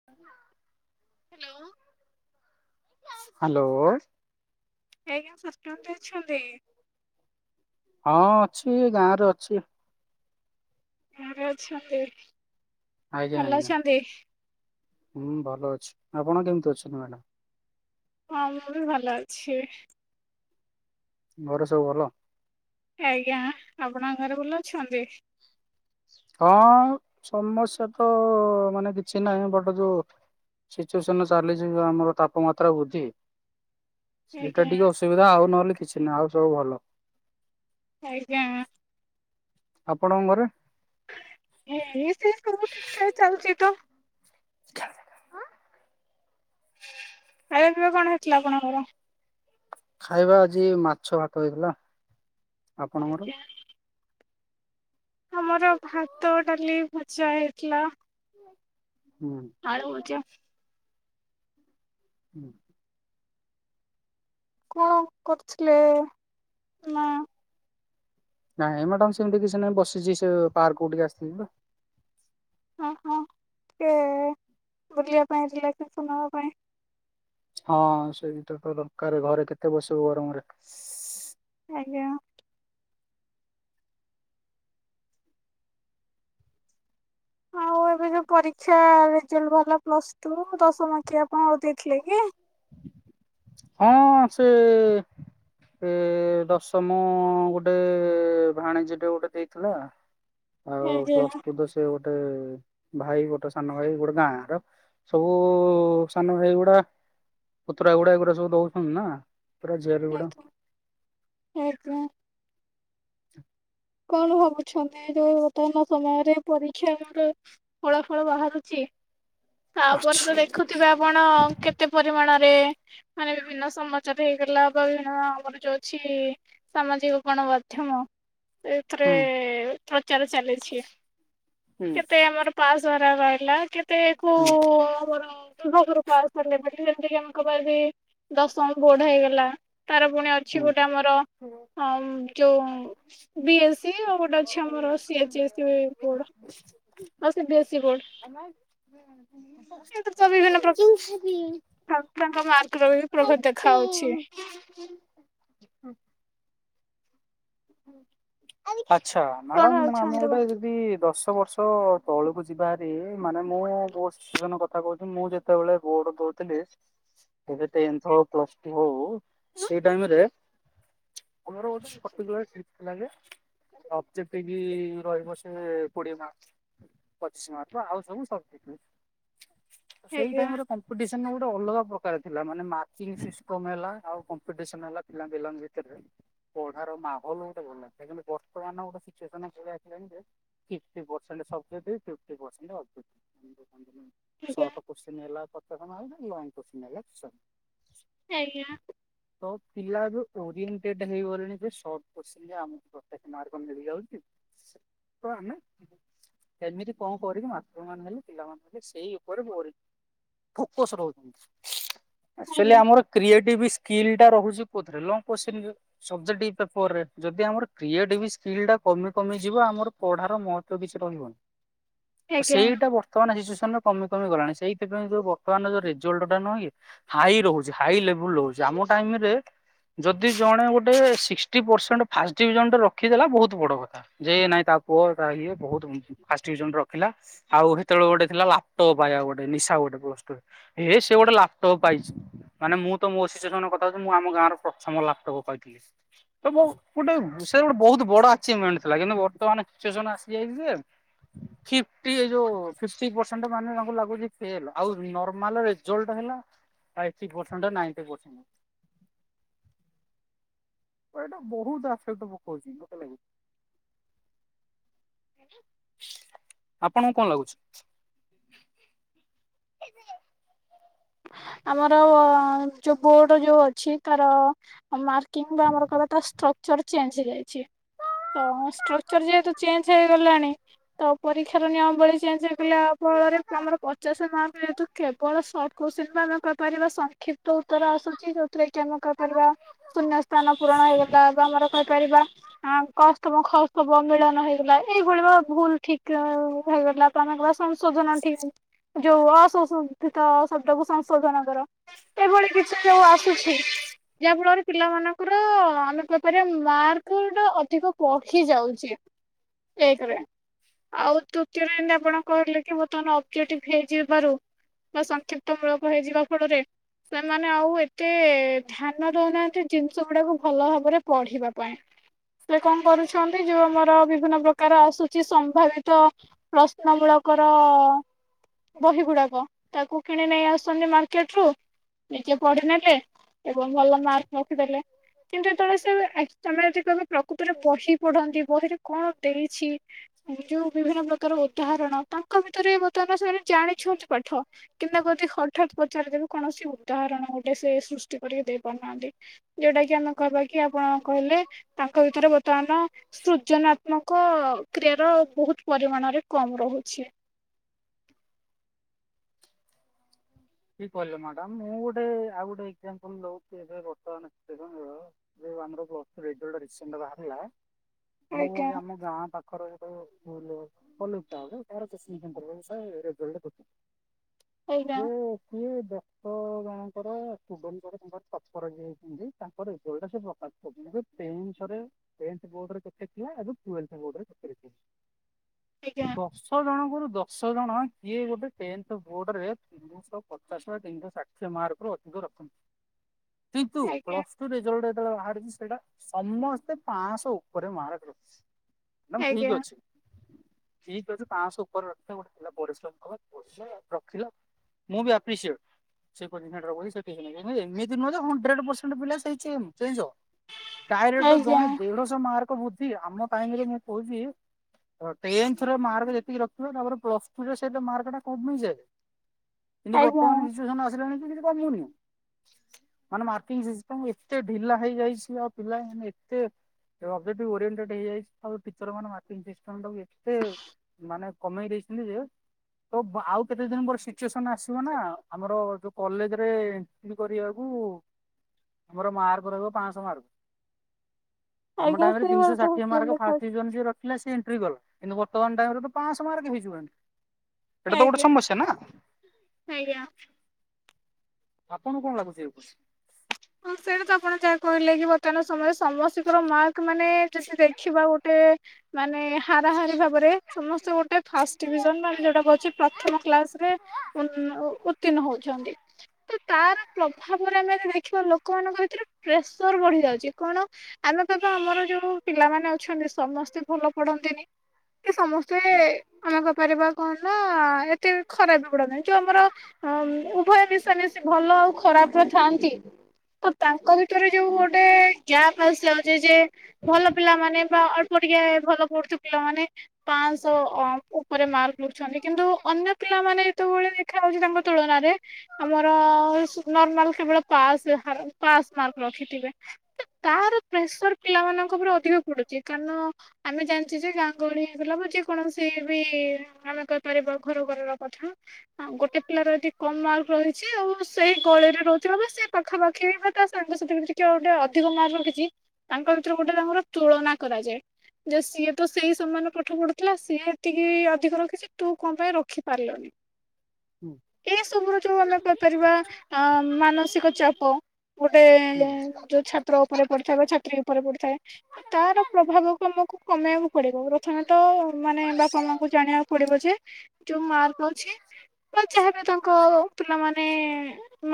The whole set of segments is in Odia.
[inaudible] ହାଲୋ। ହାଲୋ। ଆଜ୍ଞା [unintelligible] ଦେଇଛନ୍ତି। ହଁ ଅଛି ଏ ଗାଁରେ ଅଛି। ଘରେ ଅଛନ୍ତି। ଆଜ୍ଞା ଭଲ ଆଜ୍ଞା ଅଛନ୍ତି? ହୁଁ ଭଲ ଅଛି ଆପଣ କେମିତି ଅଛନ୍ତି ମ୍ୟାଡ଼ାମ୍? ହଁ ମୁବି ଭଲ ଅଛି। ଘରେ ସବୁ ଭଲ? ଆଜ୍ଞା ଆପଣଙ୍କ ଘରେ ଭଲ ଅଛନ୍ତି? ହଁ ସମସ୍ୟାତ ମାନେ କିଛି ନାହିଁ ବଟ୍ ଯୋଉ ସିଚୁଏସନ୍ ଚାଲିଚି ଆମର ତାପମାତ୍ରା ବୃଦ୍ଧି ସେଇଟା ଆଜ୍ଞା ଟିକେ ଅସୁବିଧା ଆଉ ନହେଲେ କିଛି ନାହିଁ ଆଉ ସବୁ ଭଲ। ଆଜ୍ଞା। ଆପଣଙ୍କ ଘରେ? [unintelligible] ସବୁ ଠିକ୍ ଠାକ୍ ଚାଲିଚିତ। [inaudible] ଖାଇବା ପିଇବା କଣ ହେଇଥିଲା ଆପଣଙ୍କର? ଖାଇବା ଆଜି ମାଛ ଭାତ ହେଇଥିଲା ଆପଣଙ୍କର? ଆଜ୍ଞା ଆମର ଭାତ ଡାଲି ଭଜା ହେଇଥିଲା ହୁଁ। ଆଳୁ ଭଜା। ହୁଁ। କଣ କରୁଥିଲେ ଏଇନା? ନାଇଁ ମ୍ୟାଡ଼ାମ୍ ସେମତି କିଛି ନାଇଁ ବସିଚି ସେପାର୍କକୁ ଟିକେ ଆସିଥିଲିତ। ହଁ ହଁ ଟିକେ ବୁଲିବା ପାଇଁ ିଲେସ [unintelligible] ନବା ପାଇଁ। ହଁ ସେଟ ତ ଦରକାର ଘରେ କେତେ ବସିବୁ ଗରମରେ। ଆଜ୍ଞା। ଆଉ ଏବେ ଯୋଉ ପରୀକ୍ଷା ରେଜଲ୍ଟ ବାହାରିଲା ପ୍ଲସ ଟୁ ଦଶମ ଆଖିଆ ଆପଣ ଆଉ ଦେଇଥିଲେ କି? ହଁ ସେ ଏ ଦଶମ ଗୋଟେ ଭାଣିଜିଟେ ଗୋଟେ ଦେଇଥିଲା। ଆଉ ଆଜ୍ଞା ପ୍ଲସ ଟୁ ତ ସେ ଗୋଟେ ଭାଇ ଗୋଟେ ସାନ ଭାଇ ଗୋଟେ ଗାଁ ର। ସବୁ ସାନ ଭାଇଗୁଡା ପୁତୁର ଗୁଡା ଏଗୁଡା ସବୁ ଦଉଛନ୍ତି ନା। ପୁରା ଝିଆରୀ ଗୁଡା [unintelligible] [inaudible] କଣ ଭାବୁଛନ୍ତି ଯୋଉ ବର୍ତ୍ତମାନ ସମୟରେ ପରୀକ୍ଷା [inaudible] ଫଳା ଫଳ ବାହାରୁଛି ଆଚ୍ଛା ତାପରେ ତ ଦେଖୁଥିବେ ଆପଣ କେ କେତେ ପରିମାଣରେ ମାନେ ବିଭିନ୍ନ ସମାଚାର ହେଇଗଲା ବା ବିଭିନ୍ନ ଆମର ଯୋଉ ଅଛି ସାମାଜିକ ଗଣମାଧ୍ୟମ ସେଥିରେ ହୁଁ। ପ୍ରଚାର ଚାଲିଛି। ହୁଁ କେତେ ଆମର ପାସ୍ ଧରା ରହିଲା କେତେ ହୁଁ କୋଉ ଆମର ଦୁ ପାସ୍ ଯେମତି ଆମେ କପାରି ଦଶମ ବୋଡ ହେଇଗଲା ତାର ପୁଣି ଅଛି ହୁଁ ଗୋଟେ ଆମର ଯୋଉ ବି ଏସ୍ ସି ଆଉ ଗୋଟେ ଅଛି ଆମର ସି ଏଚ ସି ବୋର୍ଡ। [inaudible] ଆଉ ସି ବି ଏ ସି ବୋଡ। [unintelligible] ହାଲ୍କା ମାର୍ଗର ବି ପ୍ରଭତ ଦେଖାଯାଉଛି ହୁଁ। ଆଚ୍ଛା କଣ ମ୍ୟାଡ଼ାମ ଆମେ ଭାବୁଛନ୍ତି ଗୋଟେ ଯଦି ଦଶ ବର୍ଷ ତଳକୁ ଯିବା ହାରି ମାନେ ମୁଁ ବହୁ ଜଣ କଥା କହୁଛନ୍ତି ମୁଁ ଯେତେବେଳେ ବୋଡ ଦଉଥିଲି ଏବେ ଟେନ୍ଥ ହଉ ପ୍ଲସ ଟୁ ହଉ ସେଇ ଟାଇମରେ ଆମର ଅଛି ଠିକ ଲାଗେ ଅବଜେକ୍ଟ ବି ରହିବ ସେ କୋଡ଼ିଏ ମାର୍କ। ପଚିଶ ମାର୍କ ଆଉ ସବୁ ସ କଣ ସେଇ ଆଜ୍ଞା ଟାଇମରେ କମ୍ପିଡିସନ ଗୋଟେ ଅଲଗା ପ୍ରକାର ଥିଲା ମାନେ ମାର୍କ ବେସିସ୍ କମ୍ ହେଲା ଆଉ କମ୍ପିଡିସନ ହେଲା ପିଲା ପିଲାଙ୍କ ଭିତରେ। ତାର ମାହୋଲ ଗୋଟେ ଭଲ ଲ ବର୍ତ୍ତମାନ ଗୋଟ ସୁଏ ଭଆସା fifty percent subjective fifty percent objective ଆଜ୍ଞା ସଟ କ୍ୱେଷ୍ଟିଁ ହେଲା ଲଙ୍ଗ କ୍ୱେଚେନ ହେଲା ପଚାଶ ମାର୍କ। ସେଇଆ। ତ ପିଲା ଏବେ ଓରିଏଣ୍ଟଟା ହେଇଗଲେଣି। ଯେ ସଟ କ୍ୱେଷ୍ଟୀରେ ଆମ ଗଟକ ମାର୍କ ମିଳିଯାଉଛି ସେ ଆମେ ସେମିତି କଣ କରିକି ମାଷ୍ଟାର୍ ମାନେ ହେଲେ ପିଲାମାନେ ହେଲେ ସେଇ ଉପରେକି ଫୋକସ ରହୁଛନ୍ତି। ଆକଚୁଏଲି ଆଜ୍ଞା ଆମର କ୍ରଏଟିଭ ସ୍କିଲ ଟା ରହୁଛି କୋଉଥିରେ ଲଙ୍ଗ କ୍ୱେଷ୍ଟିନ ରେ ସୁଭେକ୍ଟିବ। ପେପର ରେ ଯଦି ଆମର କ୍ରିଏଟିଭ ସ୍କିଲ ଟା କମି କମି ଯିବ ଆମର ପଢାର ମହତ କିଛି ରହିବନି। ଆଜ୍ଞା ସେଇଟା ବର୍ତ ବର୍ତମାନ ସିଚୁଏସନରେ କମି କମି ଗଲାଣି ସେଇଥିପାଇଁ ଯୋଉ ବର୍ତମାନ ଯୋଉ ରେଜଲଟ ଟା ନୁହଁ କି ହାଇ ରହୁଛି ହାଇ ଲେଭୁଲ ରହୁଛି ଆମ ଟାଇମରେ ଯଦି ଜଣେ ଗୋଟେ ସିସ ଫି୍ଟି ପରସେଟ ଫାଷ୍ଟ ଡିଭିଜନରେ ରଖି ଦେଲା ବହୁତ ବଡ଼ କଥା। ଯେ ନାଇଁ ତା ପୁଅ ତା ଇଏ ବହୁତ ଫାଷ୍ଟ ଡିଭିଜନ ରଖିଲା। ଆଉ ସେତେବେଳେ ଗୋଟେ ଥିଲା ଲାପଟପ୍ ପାଇବା ଗୋଟେ ନିଶା ଗୋଟେ ପ ହେ ସେ ଗୋଟେ ଲାପଟପ୍ ପାଇଛି। ମାନେ ମୁଁ ତ ମୋ ଶିଷୁ ଜଙ୍କ କଥା ହଉଛି ମୁଁ ଆମ ଗାଁର ପ୍ରଥମ ଲାପଟକ ପାଇ ଥିଲି। ତ ବହୁ ଗୋଟେ ସେ ଗୋଟେ ବହୁତ ବଡ ଆଚିଭମେଣ୍ଟ ଥିଲା କିନ୍ତୁ ବର୍ତ୍ତମାନ ସିଚୁଏ ସନ୍ ଆସିଯାଇଛି ଯେ ଫିଫ୍ଟି ଏ ଯଉ ସିକ୍ସଟି ପର୍ଶେଣ୍ଟ ମାନେ ତାଙ୍କୁ ଲାଗୁଛି ଫେଲ୍ ଆଉ ନର୍ମାଲ ରେଜଲ୍ଟ ହେଲା fifty percent ninety percent. ମୋର ଏଇଟା ବହୁତ [unintelligible] ପୋକ ଅଛି ମତେ ଲାଗୁ ଆପଣଙ୍କୁ କଁ ଲାଗୁଛି? [unintelligible] ଆମର ଯୋଉ ବୋର୍ଡ ଯୋଉ ଅଛି ତାର ମାର କିମ୍ବା ଆମର କହିବ ତା ଷ୍ଟ୍ରକ୍ଚର ଚେଞ୍ଜ ହେଇଯାଇଛି। ତ ଷ୍ଟ୍ରକ୍ଚର ଯେହେତୁ ଚେଞ୍ଜ ହେଇଗଲାଣି ତ ପରୀକ୍ଷାର ନିୟମାବଳୀ ଚେଞ୍ଜ ହେଇଗଲା ଫଳରେ ଆମର ପଚାଶ ମାର୍କ ଯେହେତୁ କେବଳ ସ କୋତ୍ସିନ୍ ଆମେ କହିପାରିବା ସଂକ୍ଷିପ୍ତ ଉତ୍ତର ଆସୁଛି ଯୋଉଥିରେ କି ଆମେ କହିପାରିବା ଶୂନ୍ୟ ସ୍ଥାନ ପୂରଣ ହେଇଗଲା ବା ଆମର କହିପାରିବା ଆ କ ସ୍ତବ ଖ ସ୍ତବ ମିଳନ ହେଇଗଲା ଏଇଭଳି ଭ ଭୁଲ ଠିକ ହେଇଗଲା। ତମେ କ ସଂଶୋଧନ ଠିକ ଯୋଉ ଅସଶୋଧିତ ଶବ୍ଦ କୁ ସଂଶୋଧନ କର। ଏଭଳି କିଛି ଯୋଉ ଆସୁଛି ଯାହା ଫଳରେ ପିଲାମାନଙ୍କର ଆମେ କହିପାରିବା ମାର୍କ ଟା ଅଧିକ ପଖି ଯାଉଛି। ଏକ୍ ରେ। ଆଉ ତୃତୀୟ ରେ ଏନି ଆପଣ କହିଲେ କି। [unintelligible] କ୍ଷିପ୍ତମୂଳକ ହେଇଯିବା ଫଳରେ ସେମାନେ ଆଉ ଏତେ ଧ୍ୟାନ ଦଉନାହାନ୍ତି ଜିନିଷ ଗୁଡାକୁ ଭଲ ଭାବରେ ପଢିବା ପାଇଁ। ସେ କଣ କରୁଛନ୍ତି ଯୋଉ ଆମର ବିଭିନ୍ନ ପ୍ରକାର ଆସୁଛି ସମ୍ଭାବିତ। ପ୍ରଶ୍ନ ମୂଳକର ବହି ଗୁଡାକ ତାକୁ କିଣି ନେଇ ଆସୁଛନ୍ତି ମାର୍କେଟ ରୁ ନିଜେ ପଢ଼ିିନେଲେ ଏବଂ ଭଲ ମାର୍କ ରଖିଦେଲେ। କିନ୍ତୁ ଯେତେବେଳେ ସେ। [unintelligible] କୁତରେ ବହି ପଢନ୍ତି ବହିରେ କଣ ଦେଇଛି। ଯୋଉ ବିଭିନ୍ନ ପ୍ରକାର ଉଦାହରଣ ତାଙ୍କ ଭିତରେ ବର୍ତ୍ତମାନ ସେମାନେ ଜାଣିଛନ୍ତି ପାଠ। କିନ୍ତୁ ତାକୁ ଯଦି ହଠାତ୍ ପଚାରିଦେବେ କୌଣସି ଉଦାହରଣ ଗୋଟେ ସେ ସୃଷ୍ଟି କରିକି ଦେଇ ପାରୁନାହାନ୍ତି। ଯୋଉଟା କି ଆମେ କହିବା କି ଆପଣ କହିଲେ ତାଙ୍କ ଭିତରେ ବର୍ତ୍ତମାନ ସୃଜନାତ୍ମକ କ୍ରିୟାର ବହୁତ ପରିମାଣରେ କମ୍ ରହୁଛି। କି କହିଲେ ମ୍ୟାଡାମ୍ ମୁଁ ଗୋଟେ ଆଉ ଗୋଟେ ଏକ୍ସାମ୍ପୁଲ୍ ଦୌଚୀ ଏବେ ବର୍ତ୍ତମାନ ଦେଖନ୍ତୁ। ଯୋଉ ଆମର ପ୍ଲସ୍ ଥ୍ରୀ ରେଜଲ୍ଟ ରିସେଣ୍ଟ ବାହାରିଲା ମୁଁ ଆଜ୍ଞା ଆମ ଗାଁ ପା। [unintelligible] [inaudible] [unintelligible] ସିଏ ଦଶ ଜଣଙ୍କର ଷ୍ଟୁଡେଣ୍ଟଙ୍କ ତାଙ୍କର ଟପର ହୋଇଛନ୍ତି, ତା। [unintelligible] ସେଇ ଅନୁସାରେ ଟେନ୍ଥ ବୋର୍ଡ ରେ କେତେ ଥିଲା, ଆଜି ଟୁଏଲ୍ଥ ବୋର୍ଡ ରେ କେତେ ଆଜ୍ଞା [unintelligible] ଦଶ ଜଣଙ୍କରୁୁ ଦଶ ଜଣ କିଏ ଗୋଟେ ଟେନ୍ଥେ ବୋର୍ଡରେ ପଚାଶହ ତିନିଶହ ଷାଠିଏ ମାର୍କ ର ଅଧିକ ରଖନ୍ତି କିନ୍ତୁ ଆଜ୍ଞା ପ୍ଲସ ରେଜଲ୍ଟ ଯେତେବେଳେ ବାହାରିଛି ସେଇଟା ସମସ୍ତେ ପାଆଁଶ ଉପରେ ମାର୍କ ରଖିଚି। [unintelligible] ଠିକ୍ ଆଜ୍ଞା ଅଛି। ଠିକ୍ ଅଛି ପାଆଁଶ ଉପରେ ରଖିଲ ଗୋଟେ ଥିଲା ପରିଶ୍ରମ କଲା ପଢିଲା ରଖିଲା। ମୁଁ ବି ଆପି ସିଏଡ। [unintelligible] ଏମିତି ନୁହେଁ ଯେ ହନ୍ଡ୍ରେଡ୍ ପରଷେନ୍ଟ ପିଲା ସେଇ ଚେ [unintelligible] ଡାଇରେକ୍ଟ ଆଜ୍ଞା ଜଣେ ଦେଢଶହ ମାର୍କ ବ୍ରୃଦ୍ଧି ଆମ ଟାଇମ ରେ ମୁଁ କହୁଛି ଟେନ୍ଥରେ ମାର୍କ ଯେତିକି ରଖିଥିବ ତାପରେ ପ୍ଲସ୍ ଟୁ ରେ ସେଇ ମାର୍କଟା କମି ଯାଏ କିନ୍ତୁ ଆଜ୍ଞା। ବର୍ତ୍ତମାନ ସିଚୁଏସନ ଆସିଲାଣି କି କମୁନି। ମାନେ ମାର୍କିଂ ସିଷ୍ଟମ ଏତେ ଢିଲା ହେଇଯାଇଛି ଆଉ ପିଲା ମାନେ ଏତେ ଏବେ ଅବ୍ଡେଟ୍ ଓରିଏଣ୍ଟେଡ ହେଇଯାଇ ତାପରେ ଟିଚର ମାନେ ମାର୍କିଙ୍ଗ ସିଷ୍ଟମ ଏତେ ମାନେ କମେଇ ଦେଇଛନ୍ତି ଯେ ତ ଆଉ କେତେ ଦିନ ସିଚ୍ୟୁଏସନ୍ ଆସିବନା ଆମର କଲେଜରେ ଏଣ୍ଟ୍ରି କରିବାକୁ ଆମର ମାର୍କ ରହିବ ପାଞ୍ଚଶହ ମାର୍କ ଆମ ଆଜ୍ଞା ଟାଇମ୍ ରେ ସ୍ତ୍ରୀ ତିନିଶହ ଭାରତ ଷାଠିଏ ହଷ୍ଟେଲ ମାର୍କ ଫାଷ୍ଟ ଦେଖାଉଛି। ଡିଭିଜନ ଯିଏ ରଖି କ୍ଳାସ୍ ଏଣ୍ଟ୍ରି କଲ, କିନ୍ତୁ ବର୍ତ୍ତମାନ ତାଙ୍କର ତ ପାଞ୍ଚଶହ ମାର୍କ ହେଇଯିବଣି ଏଇଟା ତ ଗୋଟେ ଆଜ୍ଞା ସମସ୍ୟା ନା। ଆଜ୍ଞା। ଆପଣ କଣ ଲାଗୁଛି ଏବେ? ହଁ ସେଇଟା ତ ଆପଣ ଯାହା କହିଲେ କି ବର୍ତ୍ତମାନ ସମୟରେ ସମସ୍ତଙ୍କର ମାର୍କ ମାନେ ଯଦି ଦେଖିବା ଖିବା ଗୋଟେ ମାନେ ହାରାହାରି ଭାବରେ ସମସ୍ତେ ଗୋଟେ ଫାଷ୍ଟ ଡିଭିଜନ ନହେଲେ ଯୋଉଟା ପ୍ରଥମ କ୍ଲାସ ରେ ଉ ଉତ୍ତୀର୍ଣ୍ଣ ହଉଛନ୍ତି ତ ତାର ପ୍ରଭାବରେ ଆମେ ଦେଖିବା ଛୁଆ ଲୋକମାନଙ୍କ ଭିତରେ ପ୍ରେସର ବଢି ଯାଉଛି କଣ ଆମେ ତ ତ ଆମର ଯୋଉ ପିଲାମାନେ ଅଛନ୍ତି ସମସ୍ତେ ଭଲ ପଢନ୍ତିନି। କି ସମସ୍ତେ ଆମେ କହିପାରିବା କଣ ନା ଏତେ ଖରାପ ଗୁଡା ନାହିଁ ଯୋଉ ଆମର। ହଁ ଉଭୟ ମିଶାମିଶି ଭଲ ଆଉ ଖରାପରେ ଥାଆନ୍ତି ତ ତାଙ୍କ ଭିତରେ ଯୋଉ ଗୋଟେ ଗ୍ୟାପ ଆସି ଯାଉଛି ଯେ ଭଲ ପିଲା ମାନେ ଅଳ୍ପ ଟିକଆ ଭଲ ପଢୁଥିବା ପିଲାମାନେ ପାଞ୍ଚଶହ ଉପରେ ମାର୍କ ଛନ୍ତି କିନ୍ତୁ ଅନ୍ୟ ପିଲାମାନେ ଯେତେବେଳେ ଦେଖାଯାଉଛି ତାଙ୍କ ତୁଳନାରେ ଆମର ନର୍ମାଲ କେବଳ ପାସ୍ ପାସ୍ ମାର୍କ ରଖିଥିବେ ତାର ପ୍ରେସର ପିଲାମାନଙ୍କ ଉପରେ ଅଧିକ ପଡୁଛି କାରଣ ଆମେ ଜାଣିଛେ ଯେ ଗାଁ ଗହଳି ହେଇଗଲା ବା ଯେ କୌଣସି ବି ଆମେ କହିପାରିବା ଘରୁ ଘରର କଥା ହଁ ଗୋଟେ ପିଲାର ଏଠି କମ୍ ମାର୍କ ରହିଛି ଆଉ ସେଇ ଗଳିରେ ରହୁଥିବା ବା ସେ ପାଖାପାଖି ବା ତା ସାଙ୍ଗସାଥି ବି ଟିକେ ଗୋଟେ ଅଧିକ ମାର୍କ ରଖିଛି ତାଙ୍କ ଭିତରେ ଗୋଟେ ତାଙ୍କର ତୁଳନା କରାଯାଏ ଯେ ସିଏ ତ ସେଇ ସମୟରେ ପାଠ ପଢୁଥିଲା ସିଏ ଏତିକି ଅଧିକ ରଖିଛି ତୁ କଣ ପାଇଁ ରଖି ପାରିଲୁନି ଏ ଏଇସବୁ ର ଯୋଉ ଆମେ କହିପାରିବା ଅ ମାନସିକତା ପ ଗୋଟେ ଯୋଉ ଛାତ୍ର ଉପରେ ପଢଡିିଥାଏ ବା ଛାତ୍ରୀ ଉପରେ ପଢିଥାଏ ତାର ପ୍ରଭାବ ଆମକୁ କମେଇବାକୁ ପଡିବ ପ୍ରଥମତଃ ମାନେ ବାପା ମାମଙ୍କୁ ଜାଣିବାକୁ ପଡିବ ଯେ ଯୋଉ ମାର୍କ ଅଛି ବା ଯାହା ବି ତାଙ୍କ ପିଲାମାନେ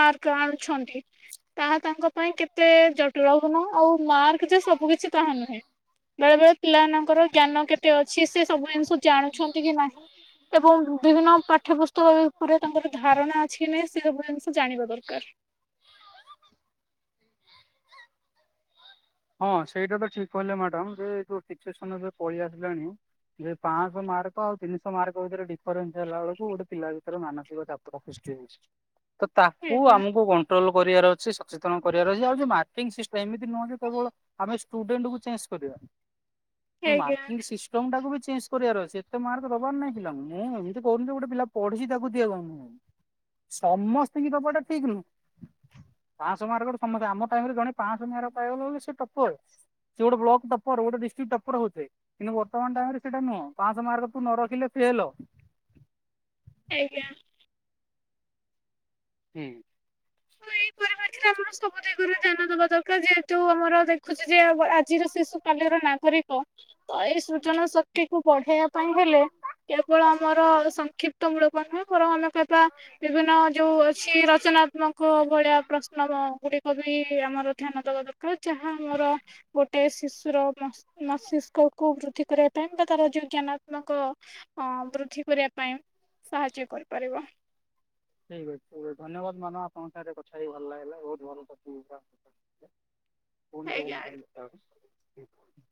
ମାର୍କ ଆଣୁଛନ୍ତି ଙ୍କ ପାଇଁ କେତେ ଜଟିଳପୂର୍ଣ୍ଣ ଆଉ ମାର୍କ ଯେ ସବୁ କିଛି ତାହା ନୁହେଁ ବେଳେ ବେଳେ ପିଲାମାନଙ୍କର ଜ୍ଞାନ କେତେ ଅଛି ସେ ସବୁ ଜିନିଷ ଜାଣୁଛନ୍ତି କି ନାହିଁ ଏବଂ ବିଭିନ୍ନ ପାଠ୍ୟ ପୁସ୍ତକ ଉପରେ ତାଙ୍କର ଧାରଣା ଅଛି କି ନାହିଁ ସେ ସବୁ ଜିନିଷ ଜାଣିବା ଦରକାର ହଁ ହଁ ସେଇଟା ତ ଠିକ କହିଲେ ମ୍ୟାଡାମ ଯେ ସିଚୁଏସନ୍ ଏବେ ପଳେଇ ଆସିଲାଣି ଇଏ ପାଞ୍ଚଶହ ମାର୍କ ଆଉ ତିନିଶହ ମାର୍କ ଭିତରେ ଡିଫରେନ୍ସ ହେଲା ବେଳକୁ ଗୋଟେ ପିଲା ଭିତରେ ମାନସିକ ଚାପ ସୃଷ୍ଟି ହଉଛି ତ ତାକୁ ଆଜ୍ଞା ଆମକୁ କଣ୍ଟ୍ରୋଲ କରିବାର ଅଛି ସଚେତନ କରିବାର ଅଛି ଆଉ ଯୋଉ ମାକଂ ସିଷ୍ଟମ ଏମିତି ନୁହଁ ଯେ କେବଳ ଆମେ ଷ୍ଟୁଡେଣ୍ଟ କୁ ଚେସ କରିବା ଆଜ୍ଞା ମାର୍କଇଂ ସିଷ୍ଟମ୍ ସିଷ୍ଟମ୍ ଟାକୁ ବି ଚେଞ୍ଜ କରିବାର ଅଛି ଏତେ ମାର୍କ ଦେବାର ନାହିଁ ପିଲାକୁ ମୁଁ ଏମିତି କହୁନି ଗୋଟେ ପିଲା ପଢିଛି ତାକୁ ଦିଆ ଯାଉନି। ହ ସମସ୍ତ ଙ୍କୀ ଦେବା ଟା ଠିକ ନୁହଁ। ପାଂଶ ମାର୍କ ସମସ୍ତେ ଆମ ଟାଇମ ରେ ଜଣେ ପାଂଶ ମାର୍କ ପାଇଗଲୁ ମାନେ ସେ ଟପର ସେ ଗୋଟେ ବ୍ଲକ ଟପର ଡିଷ୍ଟ୍ରିକି ଟପର ଗୋଟେ। କିନ୍ତୁ ବର୍ତମାନ ଟାଇମରେ ସେଟା ନୁହଁ ପାଂସ ମାର୍କ ତୁ ନ ରଖିଲେ ଫେଲ୍। ଆଜ୍ଞା। ହୁଁ। ହାଇ [unintelligible] ଏଥିରେ ଆମର ସବୁ ଦିଗରେ ଧ୍ୟାନ ଦବା ଦରକାର ଯେହେତୁ ଆମର ଦେଖୁଛି ଯେ ଆଜିର ଶିଶୁ କାଲିର ନାଗରିକ ତ ଏଇ ସୂଚନ ଶକ୍ତି କୁ ବଢେଇବା ପାଇଁ ହେଲେ କେବଳ ଆମର ସଂକ୍ଷିପ୍ତ ମୂଳକ ନୁହେଁ ଫର ଆମେ ଅବା ବିଭିନ୍ନ ଯୋଉ ଅଛି ରଚନାତ୍ମକ ଭଳିଆ ପ୍ରଶ୍ନ ଗୁଡ଼ି ବି ଆମର ଧ୍ୟାନ ଦବା ଦରକାର ଯାହା ଆମର ଗୋଟେ ଶିଶୁର ମ ମସ୍ତିଷ୍କକୁୁ ବୃଦ୍ଧି କରିବା ପାଇଁ ବା ତାର ଯୋଉ ଜ୍ଞାନାତ୍ମକ ଅ ବୃଦ୍ଧି କରିବା ପାଇଁ ସାହାଯ୍ୟ କରିପାରିବ। ଠିକ୍ ଅଛି ଧନ୍ୟବାଦ ମାନ ଆପଙ୍କ ସାଙ୍ଗରେ କଥା ହେଇକି ଭଲ ଲାଗିଲା ବହୁତ ଭଲ [unintelligible] ଆଜ୍ଞା କଣି କେବ [inaudible]